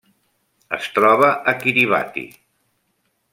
Es troba a Kiribati.